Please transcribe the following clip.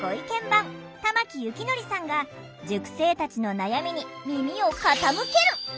番玉木幸則さんが塾生たちの悩みに耳を傾ける。